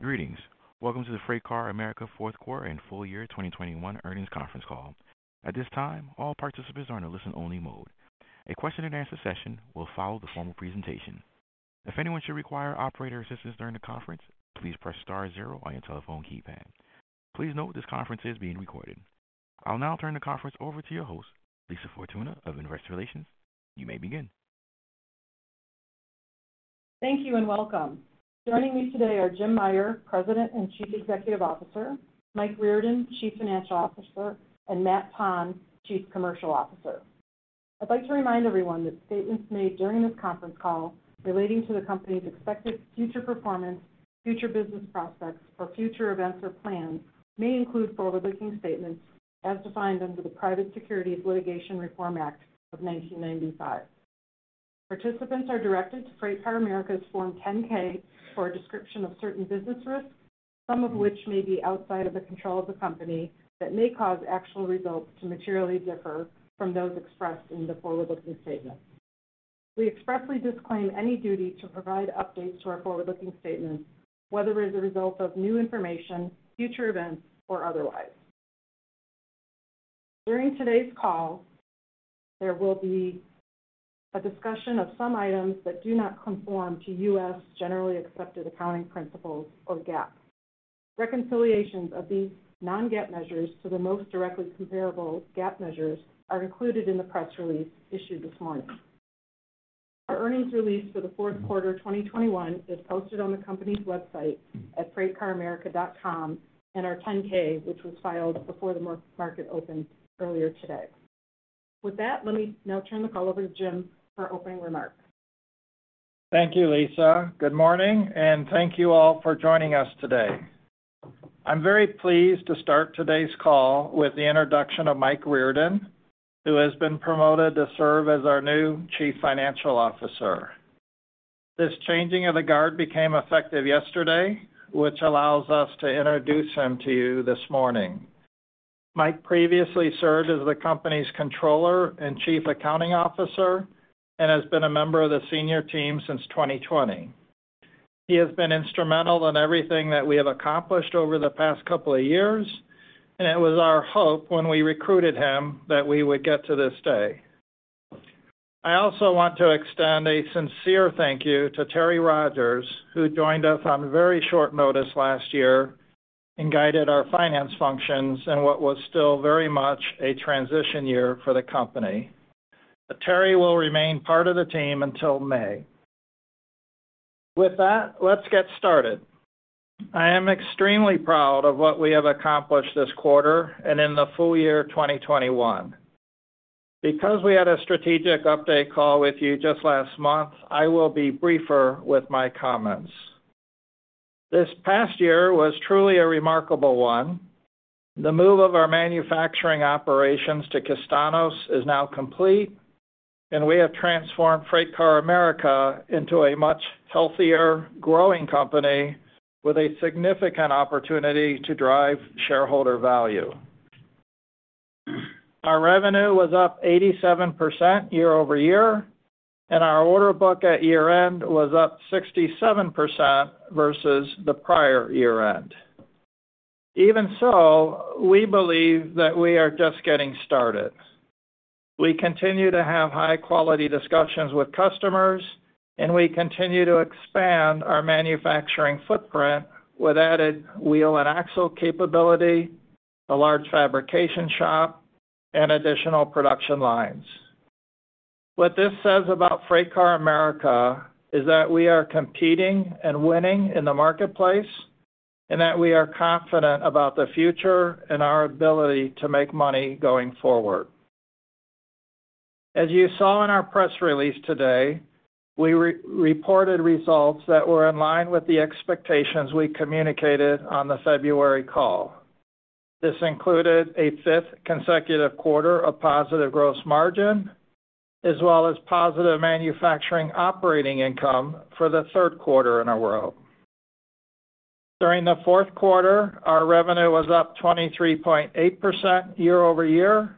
Greetings. Welcome to the FreightCar America fourth quarter and full year 2021 earnings conference call. At this time, all participants are in a listen-only mode. A question-and-answer session will follow the formal presentation. If anyone should require operator assistance during the conference, please press star zero on your telephone keypad. Please note this conference is being recorded. I'll now turn the conference over to your host, Lisa Fortuna of Investor Relations. You may begin. Thank you and welcome. Joining me today are Jim Meyer, President and Chief Executive Officer, Mike Riordan, Chief Financial Officer, and Matt Tonn, Chief Commercial Officer. I'd like to remind everyone that statements made during this conference call relating to the company's expected future performance, future business prospects, or future events or plans may include forward-looking statements as defined under the Private Securities Litigation Reform Act of 1995. Participants are directed to FreightCar America's Form 10-K for a description of certain business risks, some of which may be outside of the control of the company that may cause actual results to materially differ from those expressed in the forward-looking statement. We expressly disclaim any duty to provide updates to our forward-looking statements, whether as a result of new information, future events, or otherwise. During today's call, there will be a discussion of some items that do not conform to U.S. generally accepted accounting principles or GAAP. Reconciliations of these non-GAAP measures to the most directly comparable GAAP measures are included in the press release issued this morning. Our earnings release for the fourth quarter 2021 is posted on the company's website at freightcaramerica.com and our 10-K, which was filed before the pre-market opened earlier today. With that, let me now turn the call over to Jim for opening remarks. Thank you, Lisa. Good morning, and thank you all for joining us today. I'm very pleased to start today's call with the introduction of Mike Riordan, who has been promoted to serve as our new Chief Financial Officer. This changing of the guard became effective yesterday, which allows us to introduce him to you this morning. Mike previously served as the company's Controller and Chief Accounting Officer and has been a member of the senior team since 2020. He has been instrumental in everything that we have accomplished over the past couple of years, and it was our hope when we recruited him that we would get to this day. I also want to extend a sincere thank you to Terry Rogers, who joined us on very short notice last year and guided our finance functions in what was still very much a transition year for the company. Terry will remain part of the team until May. With that, let's get started. I am extremely proud of what we have accomplished this quarter and in the full year 2021. Because we had a strategic update call with you just last month, I will be briefer with my comments. This past year was truly a remarkable one. The move of our manufacturing operations to Castaños is now complete, and we have transformed FreightCar America into a much healthier, growing company with a significant opportunity to drive shareholder value. Our revenue was up 87% year-over-year, and our order book at year-end was up 67% versus the prior year-end. Even so, we believe that we are just getting started. We continue to have high-quality discussions with customers, and we continue to expand our manufacturing footprint with added wheel and axle capability, a large fabrication shop, and additional production lines. What this says about FreightCar America is that we are competing and winning in the marketplace and that we are confident about the future and our ability to make money going forward. As you saw in our press release today, we re-reported results that were in line with the expectations we communicated on the February call. This included a fifth consecutive quarter of positive gross margin as well as positive manufacturing operating income for the third quarter in a row. During the fourth quarter, our revenue was up 23.8% year-over-year,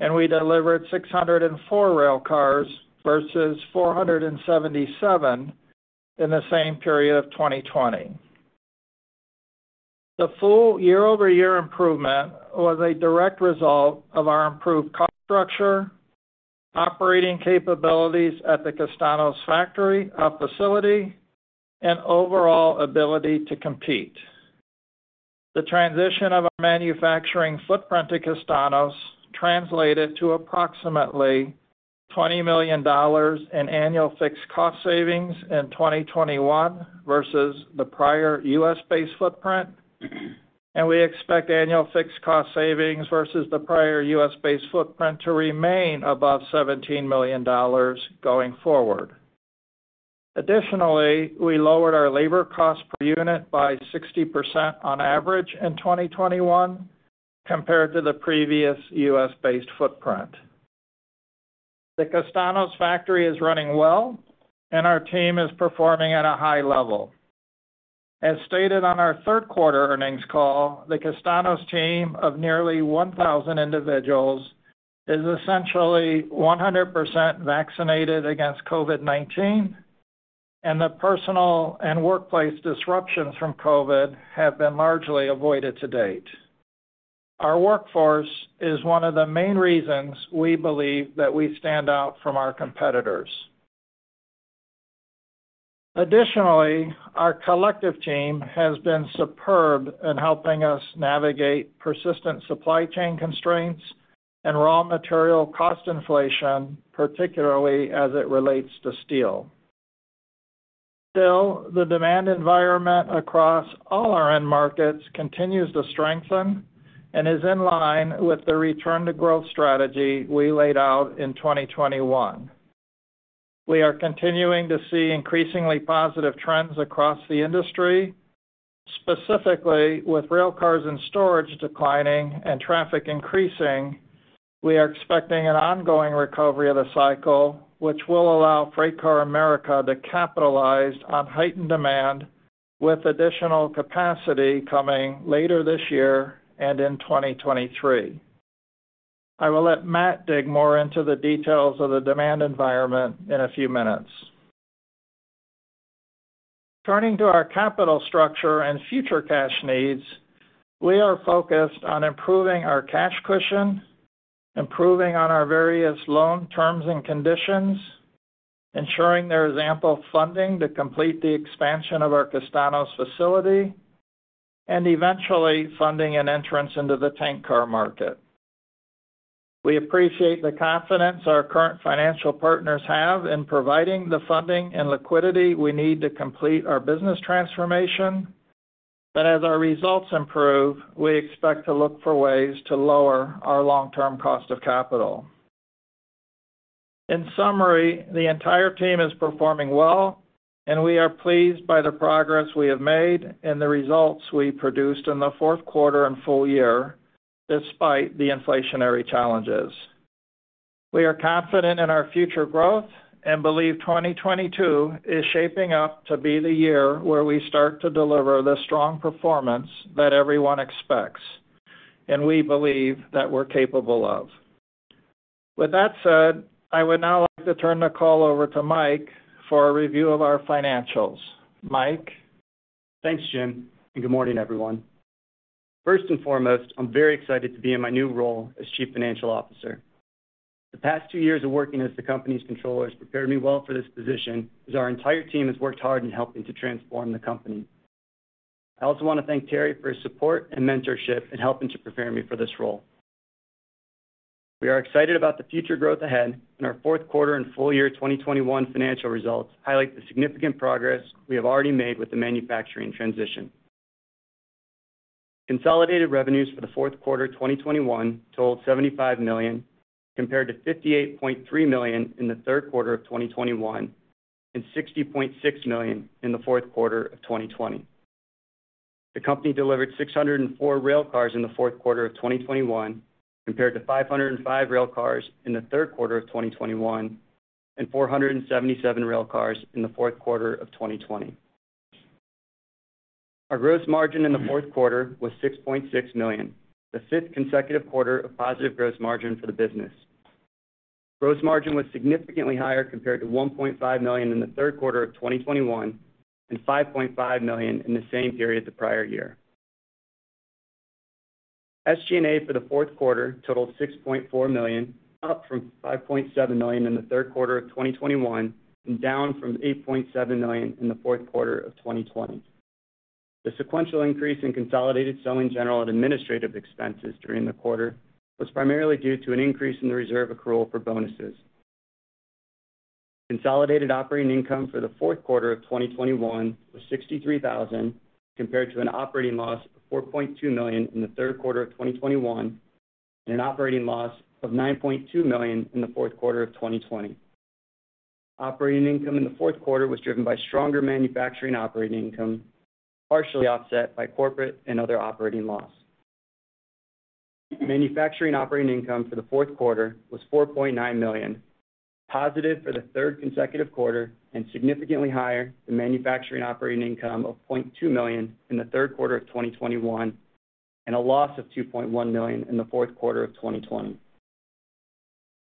and we delivered 604 rail cars versus 477 in the same period of 2020. The full year over year improvement was a direct result of our improved cost structure, operating capabilities at the Castaños factory, our facility, and overall ability to compete. The transition of our manufacturing footprint to Castaños translated to approximately $20 million in annual fixed cost savings in 2021 versus the prior U.S.-based footprint. We expect annual fixed cost savings versus the prior U.S.-based footprint to remain above $17 million going forward. Additionally, we lowered our labor cost per unit by 60% on average in 2021 compared to the previous U.S.-based footprint. The Castaños factory is running well, and our team is performing at a high level. As stated on our third quarter earnings call, the Castaños team of nearly 1,000 individuals is essentially 100% vaccinated against COVID-19, and the personal and workplace disruptions from COVID have been largely avoided to date. Our workforce is one of the main reasons we believe that we stand out from our competitors. Additionally, our collective team has been superb in helping us navigate persistent supply chain constraints and raw material cost inflation, particularly as it relates to steel. Still, the demand environment across all our end markets continues to strengthen and is in line with the return to growth strategy we laid out in 2021. We are continuing to see increasingly positive trends across the industry. Specifically, with rail cars and storage declining and traffic increasing, we are expecting an ongoing recovery of the cycle, which will allow FreightCar America to capitalize on heightened demand with additional capacity coming later this year and in 2023. I will let Matt dig more into the details of the demand environment in a few minutes. Turning to our capital structure and future cash needs, we are focused on improving our cash cushion, improving on our various loan terms and conditions, ensuring there is ample funding to complete the expansion of our Castaños facility, and eventually funding an entrance into the tank car market. We appreciate the confidence our current financial partners have in providing the funding and liquidity we need to complete our business transformation. As our results improve, we expect to look for ways to lower our long-term cost of capital. In summary, the entire team is performing well and we are pleased by the progress we have made and the results we produced in the fourth quarter and full year despite the inflationary challenges. We are confident in our future growth and believe 2022 is shaping up to be the year where we start to deliver the strong performance that everyone expects, and we believe that we're capable of. With that said, I would now like to turn the call over to Mike for a review of our financials. Mike? Thanks, Jim, and good morning, everyone. First and foremost, I'm very excited to be in my new role as Chief Financial Officer. The past two years of working as the company's controller has prepared me well for this position as our entire team has worked hard in helping to transform the company. I also wanna thank Terry for his support and mentorship in helping to prepare me for this role. We are excited about the future growth ahead, and our fourth quarter and full year 2021 financial results highlight the significant progress we have already made with the manufacturing transition. Consolidated revenues for the fourth quarter 2021 totaled $75 million, compared to $58.3 million in the third quarter of 2021 and $60.6 million in the fourth quarter of 2020. The company delivered 604 rail cars in the fourth quarter of 2021, compared to 505 rail cars in the third quarter of 2021 and 477 rail cars in the fourth quarter of 2020. Our gross margin in the fourth quarter was $6.6 million, the fifth consecutive quarter of positive gross margin for the business. Gross margin was significantly higher compared to $1.5 million in the third quarter of 2021 and $5.5 million in the same period the prior year. SG&A for the fourth quarter totaled $6.4 million, up from $5.7 million in the third quarter of 2021 and down from $8.7 million in the fourth quarter of 2020. The sequential increase in consolidated selling general and administrative expenses during the quarter was primarily due to an increase in the reserve accrual for bonuses. Consolidated operating income for the fourth quarter of 2021 was $63,000, compared to an operating loss of $4.2 million in the third quarter of 2021 and an operating loss of $9.2 million in the fourth quarter of 2020. Operating income in the fourth quarter was driven by stronger manufacturing operating income, partially offset by corporate and other operating loss. Manufacturing operating income for the fourth quarter was $4.9 million, positive for the third consecutive quarter and significantly higher than manufacturing operating income of $0.2 million in the third quarter of 2021 and a loss of $2.1 million in the fourth quarter of 2020.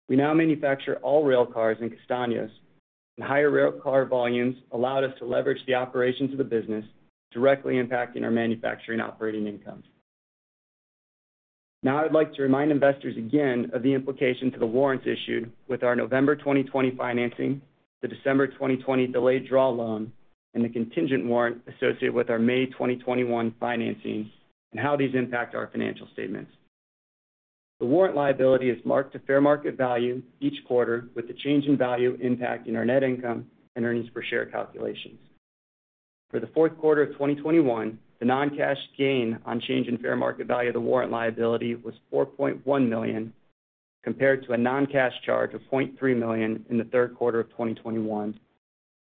We now manufacture all rail cars in Castaños. Higher rail car volumes allowed us to leverage the operations of the business, directly impacting our manufacturing operating income. Now I'd like to remind investors again of the implication to the warrants issued with our November 2020 financing, the December 2020 delayed draw loan, and the contingent warrant associated with our May 2021 financings, and how these impact our financial statements. The warrant liability is marked to fair market value each quarter, with the change in value impacting our net income and earnings per share calculations. For the fourth quarter of 2021, the non-cash gain on change in fair market value of the warrant liability was $4.1 million, compared to a non-cash charge of $0.3 million in the third quarter of 2021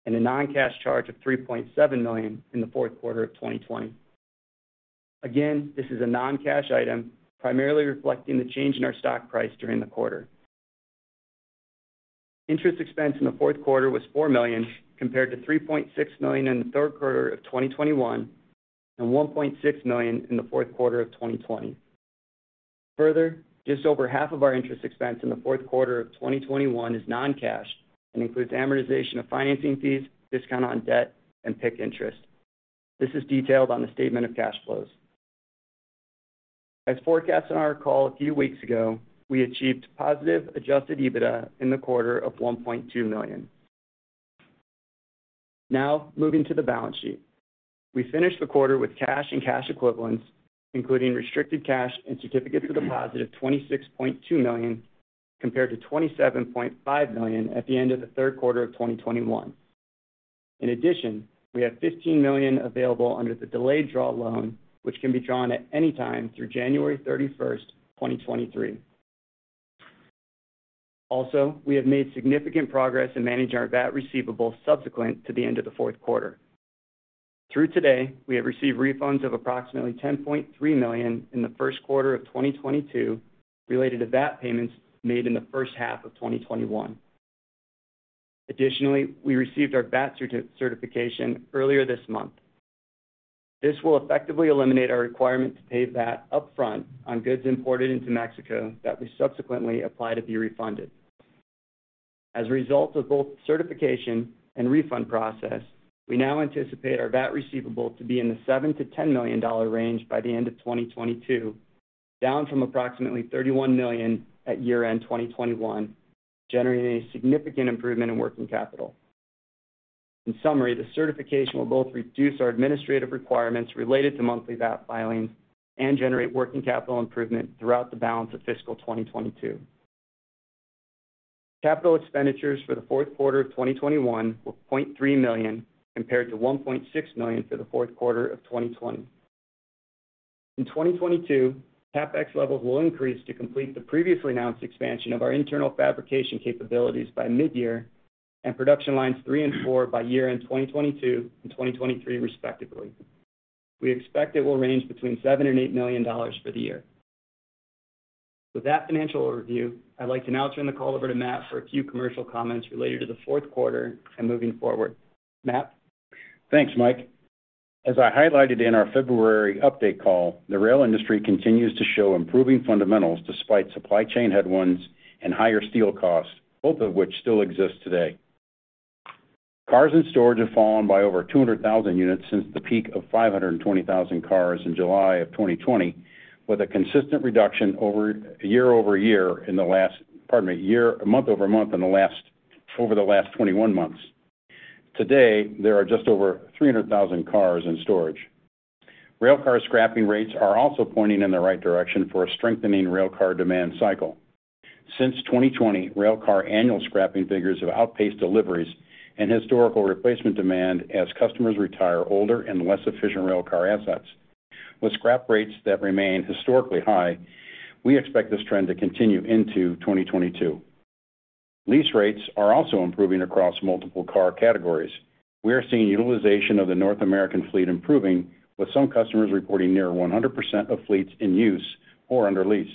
and a non-cash charge of $3.7 million in the fourth quarter of 2020. Again, this is a non-cash item primarily reflecting the change in our stock price during the quarter. Interest expense in the fourth quarter was $4 million, compared to $3.6 million in the third quarter of 2021, and $1.6 million in the fourth quarter of 2020. Further, just over half of our interest expense in the fourth quarter of 2021 is non-cash, and includes amortization of financing fees, discount on debt, and PIK interest. This is detailed on the statement of cash flows. As forecasted on our call a few weeks ago, we achieved positive adjusted EBITDA in the quarter of $1.2 million. Now moving to the balance sheet. We finished the quarter with cash and cash equivalents, including restricted cash and certificates of deposit of $26.2 million, compared to $27.5 million at the end of the third quarter of 2021. In addition, we have $15 million available under the delayed draw loan, which can be drawn at any time through January 31, 2023. Also, we have made significant progress in managing our VAT receivable subsequent to the end of the fourth quarter. Through today, we have received refunds of approximately $10.3 million in the first quarter of 2022 related to VAT payments made in the first half of 2021. Additionally, we received our VAT certification earlier this month. This will effectively eliminate our requirement to pay VAT up front on goods imported into Mexico that we subsequently apply to be refunded. As a result of both certification and refund process, we now anticipate our VAT receivable to be in the $7 million-$10 million range by the end of 2022, down from approximately $31 million at year-end 2021, generating a significant improvement in working capital. In summary, the certification will both reduce our administrative requirements related to monthly VAT filings and generate working capital improvement throughout the balance of fiscal 2022. Capital expenditures for the fourth quarter of 2021 were $0.3 million compared to $1.6 million for the fourth quarter of 2020. In 2022, CapEx levels will increase to complete the previously announced expansion of our internal fabrication capabilities by mid-year and production lines 3 and 4 by year-end 2022 and 2023 respectively. We expect it will range between $7 million and $8 million for the year. With that financial overview, I'd like to now turn the call over to Matt for a few commercial comments related to the fourth quarter and moving forward. Matt? Thanks, Mike. As I highlighted in our February update call, the rail industry continues to show improving fundamentals despite supply chain headwinds and higher steel costs, both of which still exist today. Cars in storage have fallen by over 200,000 units since the peak of 520,000 cars in July of 2020, with a consistent reduction month-over-month over the last 21 months. Today, there are just over 300,000 cars in storage. Rail car scrapping rates are also pointing in the right direction for a strengthening rail car demand cycle. Since 2020, rail car annual scrapping figures have outpaced deliveries and historical replacement demand as customers retire older and less efficient rail car assets. With scrap rates that remain historically high, we expect this trend to continue into 2022. Lease rates are also improving across multiple car categories. We are seeing utilization of the North American fleet improving with some customers reporting near 100% of fleets in use or under lease.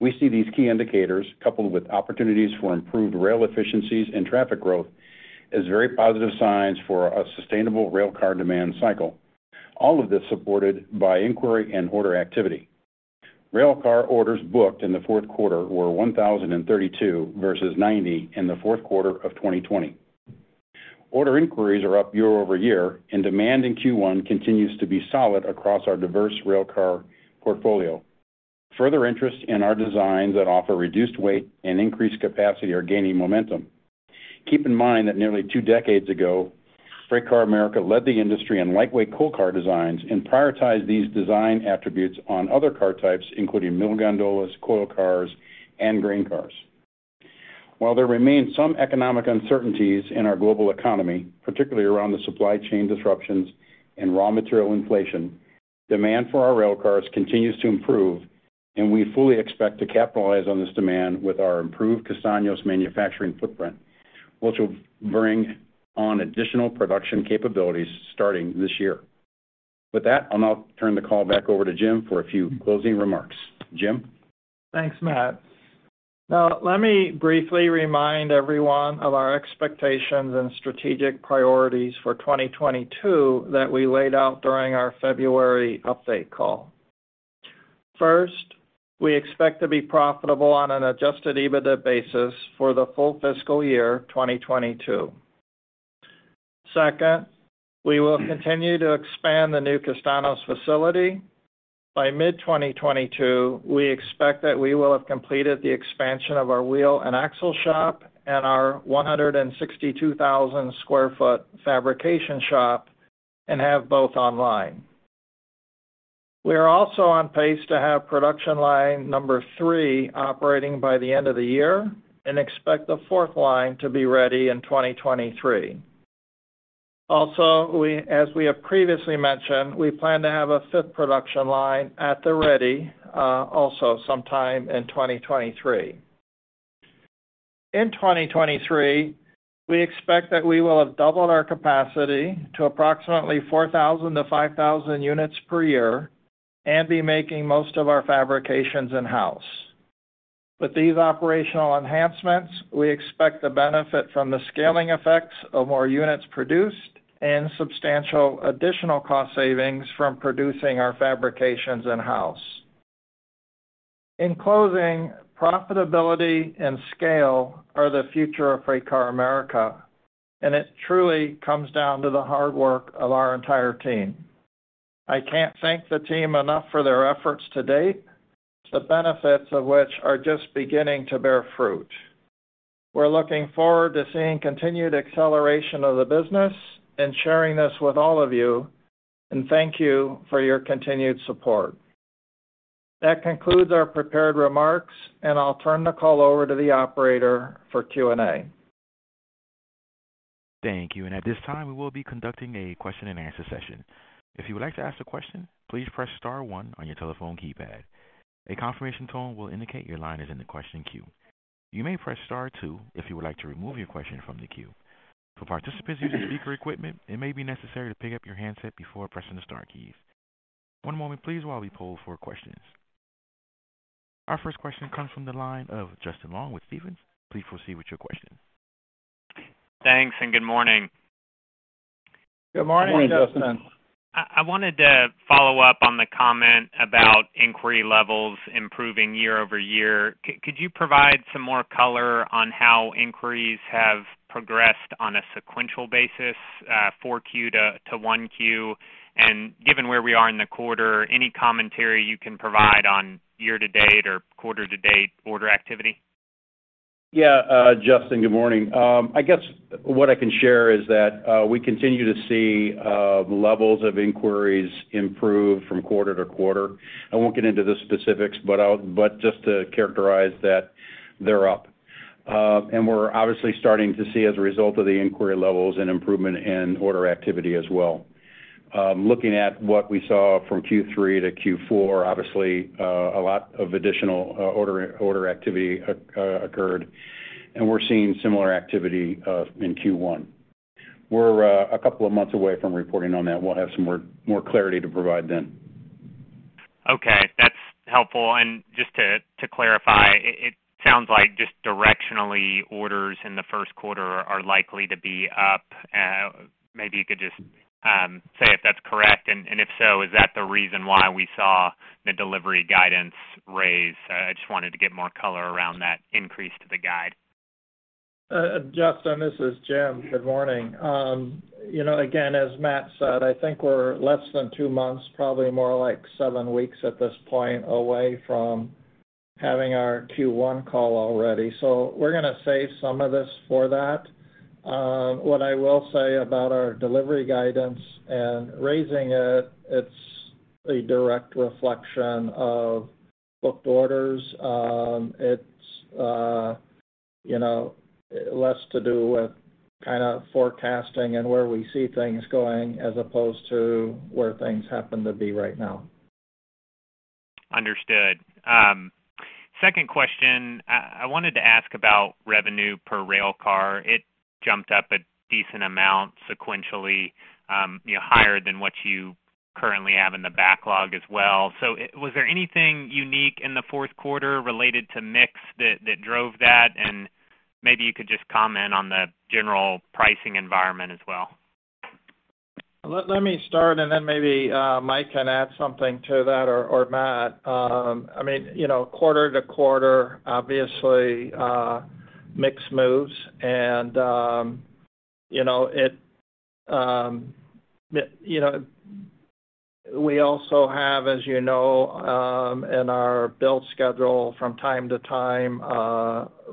We see these key indicators coupled with opportunities for improved rail efficiencies and traffic growth as very positive signs for a sustainable rail car demand cycle. All of this supported by inquiry and order activity. Rail car orders booked in the fourth quarter were 1,032 versus 90 in the fourth quarter of 2020. Order inquiries are up year-over-year and demand in Q1 continues to be solid across our diverse rail car portfolio. Further interest in our designs that offer reduced weight and increased capacity are gaining momentum. Keep in mind that nearly two decades ago, FreightCar America led the industry in lightweight coal car designs and prioritized these design attributes on other car types, including mill gondolas, coil cars, and grain cars. While there remains some economic uncertainties in our global economy, particularly around the supply chain disruptions and raw material inflation, demand for our rail cars continues to improve and we fully expect to capitalize on this demand with our improved Castaños manufacturing footprint, which will bring on additional production capabilities starting this year. With that, I'll now turn the call back over to Jim for a few closing remarks. Jim? Thanks, Matt. Now, let me briefly remind everyone of our expectations and strategic priorities for 2022 that we laid out during our February update call. First, we expect to be profitable on an adjusted EBITDA basis for the full fiscal year 2022. Second, we will continue to expand the new Castaños facility. By mid-2022, we expect that we will have completed the expansion of our wheel and axle shop and our 162,000 sq ft fabrication shop and have both online. We are also on pace to have production line number 3 operating by the end of the year and expect the fourth line to be ready in 2023. Also, as we have previously mentioned, we plan to have a fifth production line at the ready, also sometime in 2023. In 2023, we expect that we will have doubled our capacity to approximately 4,000-5,000 units per year and be making most of our fabrications in-house. With these operational enhancements, we expect to benefit from the scaling effects of more units produced and substantial additional cost savings from producing our fabrications in-house. In closing, profitability and scale are the future of FreightCar America, and it truly comes down to the hard work of our entire team. I can't thank the team enough for their efforts to date, the benefits of which are just beginning to bear fruit. We're looking forward to seeing continued acceleration of the business and sharing this with all of you, and thank you for your continued support. That concludes our prepared remarks, and I'll turn the call over to the operator for Q&A. Thank you. At this time, we will be conducting a question-and-answer session. If you would like to ask a question, please press star one on your telephone keypad. A confirmation tone will indicate your line is in the question queue. You may press star two if you would like to remove your question from the queue. For participants using speaker equipment, it may be necessary to pick up your handset before pressing the star keys. One moment please while we poll for questions. Our first question comes from the line of Justin Long with Stephens. Please proceed with your question. Thanks and good morning. Good morning, Justin. Good morning. I wanted to follow up on the comment about inquiry levels improving year over year. Could you provide some more color on how inquiries have progressed on a sequential basis, 4Q to 1Q? Given where we are in the quarter, any commentary you can provide on year to date or quarter to date order activity? Yeah. Justin, good morning. I guess what I can share is that we continue to see levels of inquiries improve from quarter to quarter. I won't get into the specifics, but just to characterize that they're up. We're obviously starting to see, as a result of the inquiry levels, an improvement in order activity as well. Looking at what we saw from Q3 to Q4, obviously a lot of additional order activity occurred, and we're seeing similar activity in Q1. We're a couple of months away from reporting on that. We'll have some more clarity to provide then. Okay, that's helpful. Just to clarify, it sounds like just directionally orders in the first quarter are likely to be up. Maybe you could just say if that's correct, and if so, is that the reason why we saw the delivery guidance raise? I just wanted to get more color around that increase to the guide. Justin, this is Jim. Good morning. You know, again, as Matt said, I think we're less than two months, probably more like seven weeks at this point away from having our Q1 call already, so we're gonna save some of this for that. What I will say about our delivery guidance and raising it's a direct reflection of booked orders. It's, you know, less to do with kinda forecasting and where we see things going as opposed to where things happen to be right now. Understood. Second question. I wanted to ask about revenue per rail car. It jumped up a decent amount sequentially, you know, higher than what you currently have in the backlog as well. Was there anything unique in the fourth quarter related to mix that drove that? Maybe you could just comment on the general pricing environment as well? Let me start, and then maybe Mike can add something to that or Matt. I mean, you know, quarter-to-quarter, obviously, mix moves and, you know, it. We also have, as you know, in our build schedule from time to time,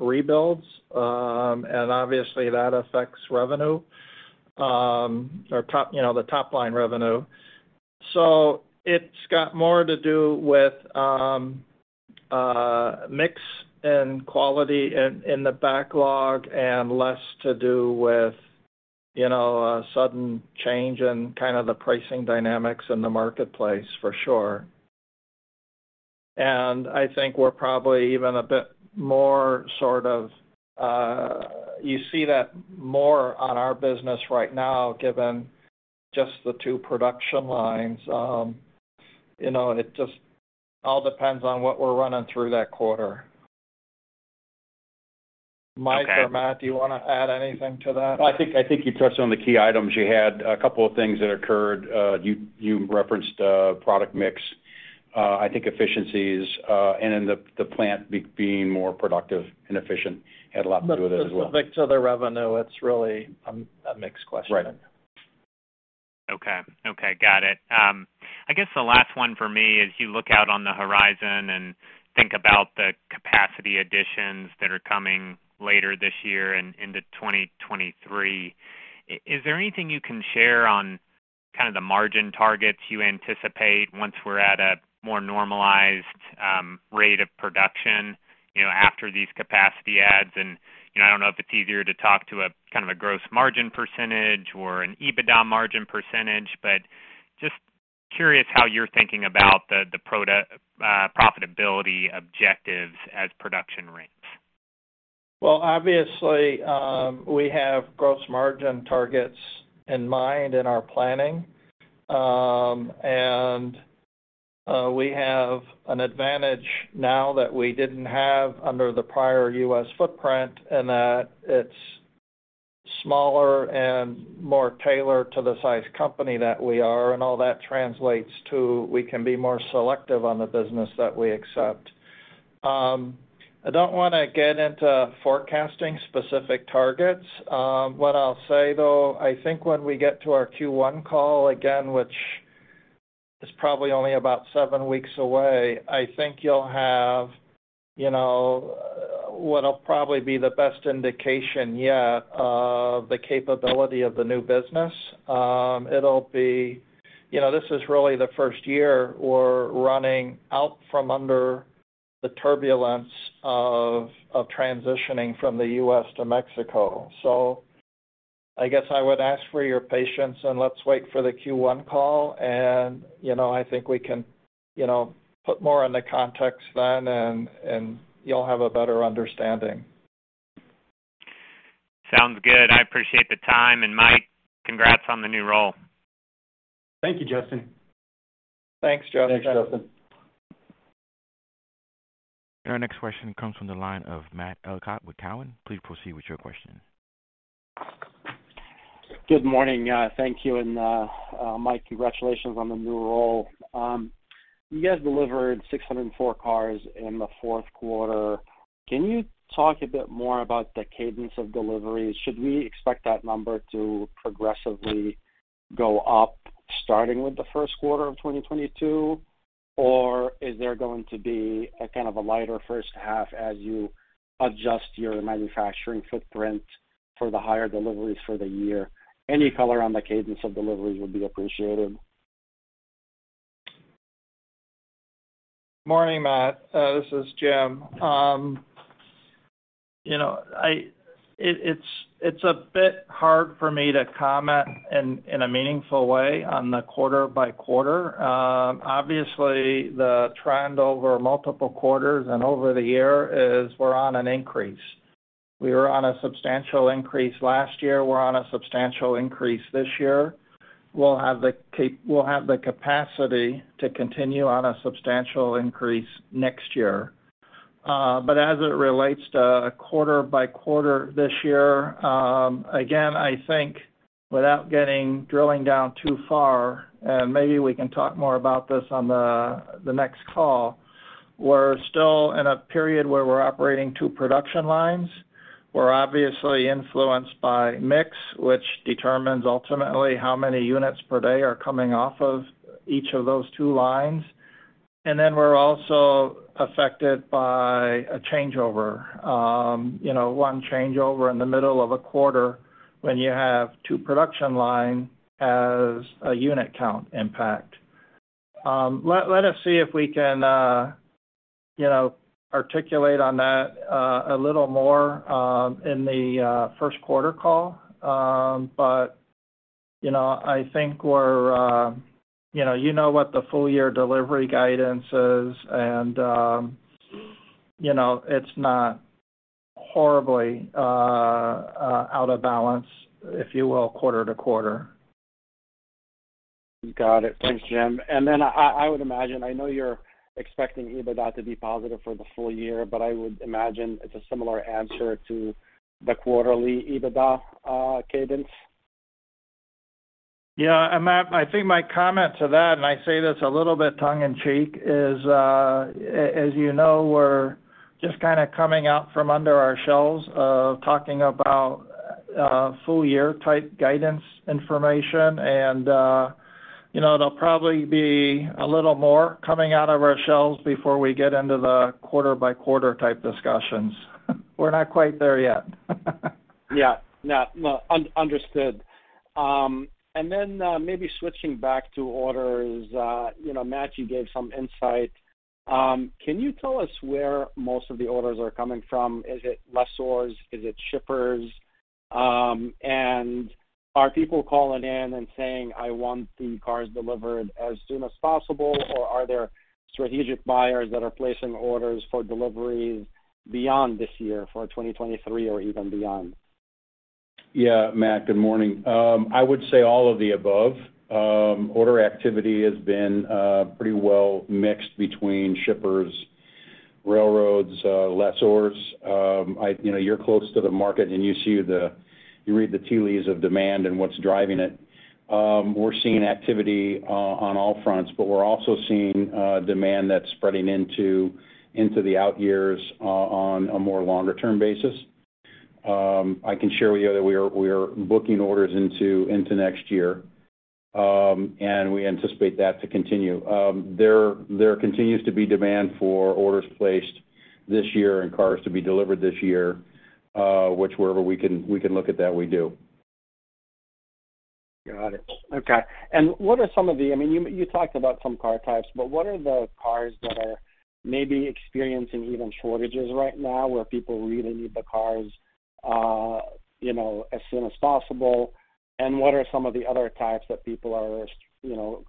rebuilds, and obviously that affects revenue, or top, you know, the top-line revenue. It's got more to do with, mix and quality in the backlog and less to do with, you know, a sudden change in kind of the pricing dynamics in the marketplace for sure. I think we're probably even a bit more sort of, you see that more on our business right now given just the two production lines. You know, it just all depends on what we're running through that quarter. Okay. Mike or Matt, do you wanna add anything to that? I think you touched on the key items. You had a couple of things that occurred. You referenced product mix. I think efficiencies, and then the plant being more productive and efficient had a lot to do with it as well. The mix of the revenue, it's really a mix question. Right. Okay, got it. I guess the last one for me, as you look out on the horizon and think about the capacity additions that are coming later this year and into 2023, is there anything you can share on kind of the margin targets you anticipate once we're at a more normalized rate of production, you know, after these capacity adds? You know, I don't know if it's easier to talk to a kind of a gross margin percentage or an EBITDA margin percentage, but just curious how you're thinking about the profitability objectives as production ramps. Well, obviously, we have gross margin targets in mind in our planning. We have an advantage now that we didn't have under the prior U.S. footprint in that it's smaller and more tailored to the size company that we are, and all that translates to we can be more selective on the business that we accept. I don't wanna get into forecasting specific targets. What I'll say though, I think when we get to our Q1 call again, which is probably only about seven weeks away, I think you'll have, you know, what'll probably be the best indication yet of the capability of the new business. It'll be. You know, this is really the first year we're running out from under the turbulence of transitioning from the U.S. to Mexico. I guess I would ask for your patience, and let's wait for the Q1 call and, you know, I think we can, you know, put more into context then, and you'll have a better understanding. Sounds good. I appreciate the time. Mike, congrats on the new role. Thank you, Justin. Thanks, Justin. Thanks, Justin. Our next question comes from the line of Matt Elkott with Cowen. Please proceed with your question. Good morning. Thank you, and Mike, congratulations on the new role. You guys delivered 604 cars in the fourth quarter. Can you talk a bit more about the cadence of delivery? Should we expect that number to progressively go up starting with the first quarter of 2022? Or is there going to be a kind of a lighter first half as you adjust your manufacturing footprint for the higher deliveries for the year? Any color on the cadence of deliveries would be appreciated. Morning, Matt. This is Jim. You know, it's a bit hard for me to comment in a meaningful way on the quarter by quarter. Obviously, the trend over multiple quarters and over the year is we're on an increase. We were on a substantial increase last year. We're on a substantial increase this year. We'll have the capacity to continue on a substantial increase next year. As it relates to quarter by quarter this year, again, I think without drilling down too far, and maybe we can talk more about this on the next call, we're still in a period where we're operating two production lines. We're obviously influenced by mix, which determines ultimately how many units per day are coming off of each of those two lines. We're also affected by a changeover. You know, one changeover in the middle of a quarter when you have two production line has a unit count impact. Let us see if we can, you know, articulate on that a little more in the first quarter call. You know, I think we're, you know what the full year delivery guidance is, and you know, it's not horribly out of balance, if you will, quarter to quarter. Got it. Thanks, Jim. I would imagine, I know you're expecting EBITDA to be positive for the full year, but I would imagine it's a similar answer to the quarterly EBITDA cadence. Yeah. Matt, I think my comment to that, and I say this a little bit tongue in cheek, is, as you know, we're just kinda coming out from under our shells of talking about full year type guidance information, and you know, they'll probably be a little more coming out of our shells before we get into the quarter by quarter type discussions. We're not quite there yet. Yeah. No, no. Understood. Maybe switching back to orders, you know, Matt, you gave some insight. Can you tell us where most of the orders are coming from? Is it lessors? Is it shippers? Are people calling in and saying, "I want the cars delivered as soon as possible," or are there strategic buyers that are placing orders for deliveries beyond this year for 2023 or even beyond? Yeah. Matt, good morning. I would say all of the above. Order activity has been pretty well mixed between shippers, railroads, lessors. You know, you're close to the market, and you read the tea leaves of demand and what's driving it. We're seeing activity on all fronts, but we're also seeing demand that's spreading into the out years on a more longer-term basis. I can share with you that we are booking orders into next year, and we anticipate that to continue. There continues to be demand for orders placed this year and cars to be delivered this year, which wherever we can, we do. Got it. Okay. What are some of the, I mean, you talked about some car types, but what are the cars that are maybe experiencing even shortages right now where people really need the cars, you know, as soon as possible? What are some of the other types that people are, you know,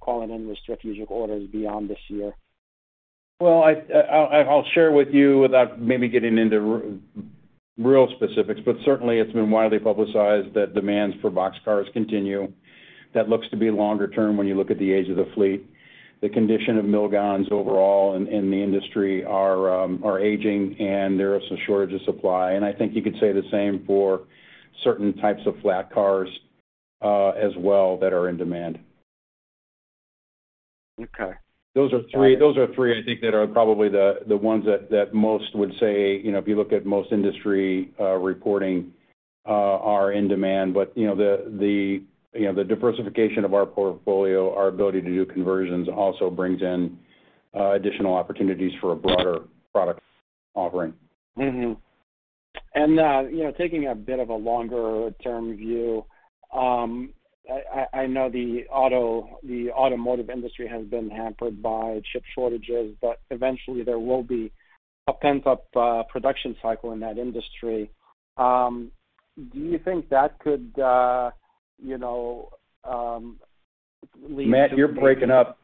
calling in restocking orders beyond this year? Well, I'll share with you without maybe getting into real specifics, but certainly it's been widely publicized that demands for boxcars continue. That looks to be longer term when you look at the age of the fleet. The condition of mill gons overall in the industry are aging, and there is a shortage of supply. I think you could say the same for certain types of flatcars as well that are in demand. Okay. Those are three I think that are probably the ones that most would say, you know, if you look at most industry reporting are in demand. You know the diversification of our portfolio, our ability to do conversions also brings in additional opportunities for a broader product offering. You know, taking a bit of a longer term view, I know the automotive industry has been hampered by chip shortages, but eventually there will be a pent-up production cycle in that industry. Do you think that could lead to? Matt, you're breaking up.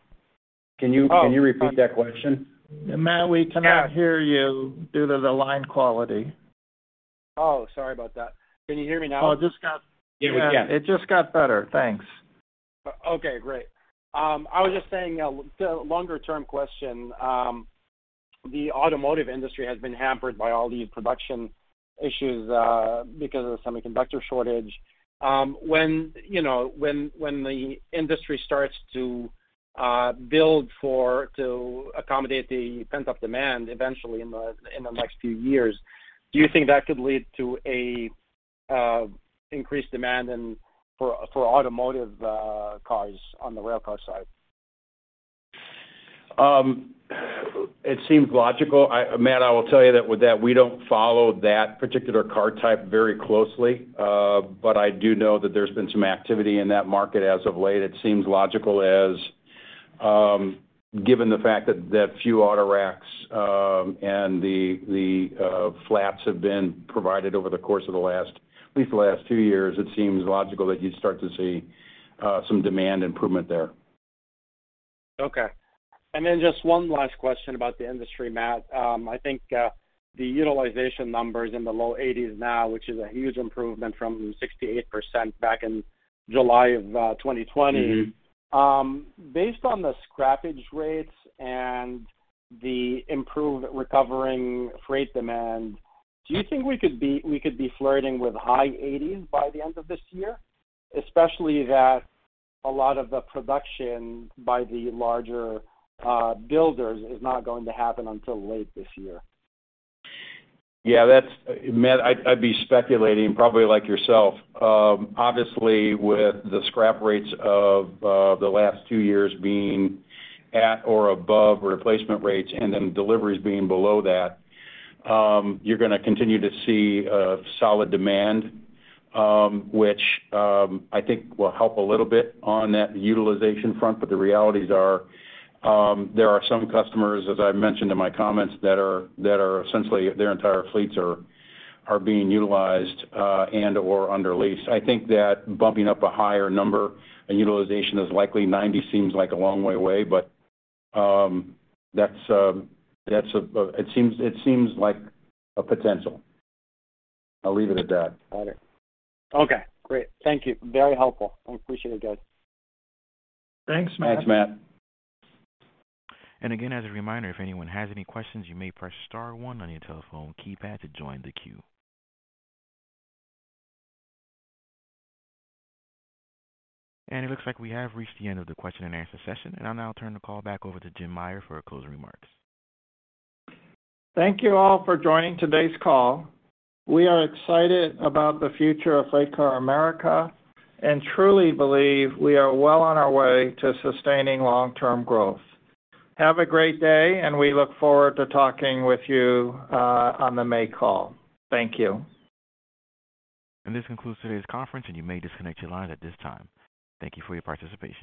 Can you? Oh. Can you repeat that question? Matt, we cannot hear you due to the line quality. Oh, sorry about that. Can you hear me now? Oh, it just got. Yes. It just got better. Thanks. Okay. Great. I was just saying, the longer-term question, the automotive industry has been hampered by all these production issues because of the semiconductor shortage. When you know, the industry starts to build to accommodate the pent-up demand eventually in the next few years, do you think that could lead to increased demand for automotive cars on the railcar side? It seems logical. Matt, I will tell you that with that we don't follow that particular car type very closely. But I do know that there's been some activity in that market as of late. It seems logical as given the fact that few autoracks and the flats have been provided over the course of the last, at least the last two years, it seems logical that you'd start to see some demand improvement there. Okay. Just one last question about the industry, Matt. I think the utilization numbers in the low 80s now, which is a huge improvement from 68% back in July of 2020. Mm-hmm. Based on the scrappage rates and the improved recovering freight demand, do you think we could be flirting with high 80s by the end of this year? Especially that a lot of the production by the larger builders is not going to happen until late this year. Yeah, that's Matt, I'd be speculating probably like yourself. Obviously with the scrap rates of the last two years being at or above replacement rates and then deliveries being below that, you're gonna continue to see solid demand, which I think will help a little bit on that utilization front. The realities are, there are some customers, as I've mentioned in my comments, that are essentially their entire fleets are being utilized and/or under lease. I think that bumping up a higher number in utilization is likely. 90 seems like a long way away, but it seems like a potential. I'll leave it at that. Got it. Okay, great. Thank you. Very helpful. I appreciate it, guys. Thanks, Matt. Thanks, Matt. Again, as a reminder, if anyone has any questions, you may press star one on your telephone keypad to join the queue. It looks like we have reached the end of the question and answer session, and I'll now turn the call back over to Jim Meyer for closing remarks. Thank you all for joining today's call. We are excited about the future of FreightCar America and truly believe we are well on our way to sustaining long-term growth. Have a great day, and we look forward to talking with you on the May call. Thank you. This concludes today's conference, and you may disconnect your line at this time. Thank you for your participation.